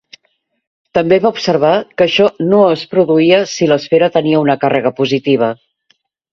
També va observar que això no es produïa si l'esfera tenia una càrrega positiva.